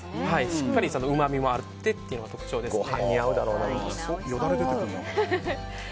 しっかり、うまみもあってというのが特徴ですね。